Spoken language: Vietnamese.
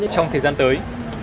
trong thời gian tới